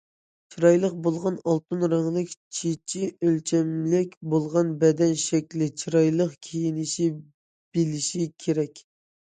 چىرايلىق بولغان ئالتۇن رەڭلىك چېچى، ئۆلچەملىك بولغان بەدەن شەكلى، چىرايلىق كىيىنىشنى بىلىشى كېرەك.